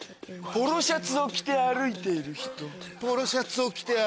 ポロシャツを着て歩いている人。